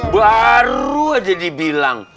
baru aja dibilang